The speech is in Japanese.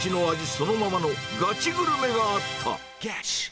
そのままの、ガチグルメがあった。